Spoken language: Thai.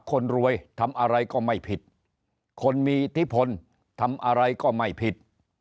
คนรวยทำอะไรก็ไม่ผิดคนมีอิทธิพลทำอะไรก็ไม่ผิด